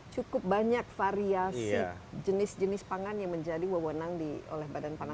cukup banyak variasi jenis jenis pangan yang menjadi wewenang oleh badan pangan